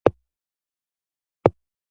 پرنس اډوارډ ټاپو کچالو لري.